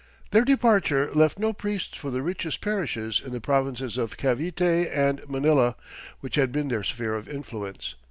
Their departure left no priests for the richest parishes in the provinces of Cavite and Manila, which had been their sphere of influence.